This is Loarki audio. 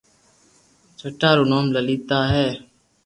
ڇٽا رو نوم تينا ھي